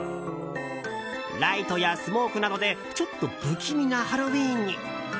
ライトやスモークなどでちょっと不気味なハロウィーンに。